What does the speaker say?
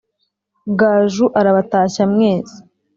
gaju arabatashya mwese